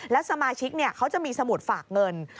และสมาชิกเขาจะมีสมุดฝากเงิน